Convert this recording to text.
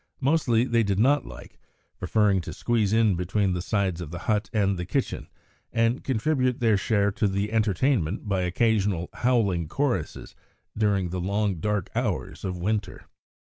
Mostly they did not like, preferring to squeeze in between the sides of the hut and the kitchen, and contribute their share to the entertainment by occasional howling choruses during the long dark hours of winter.